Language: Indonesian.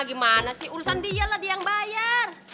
gimana sih urusan dialah dia yang bayar